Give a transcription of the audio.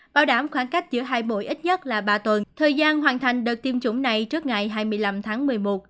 bảo đảm khoảng cách giữa hai bộ ít nhất là ba tuần thời gian hoàn thành đợt tiêm chủng này trước ngày hai mươi năm tháng một mươi một